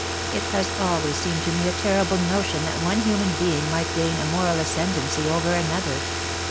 It has always seemed to me a terrible notion that one human being might gain a moral ascendency over another.